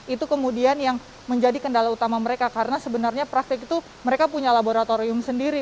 itu kemudian yang menjadi kendala utama mereka karena sebenarnya praktik itu mereka punya laboratorium sendiri